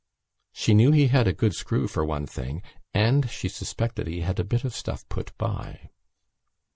She knew he had a good screw for one thing and she suspected he had a bit of stuff put by.